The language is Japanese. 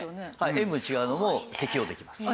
塩分が違うのも適応できます。